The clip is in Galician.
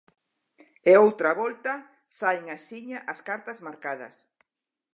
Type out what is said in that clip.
E outra volta saen axiña as cartas marcadas.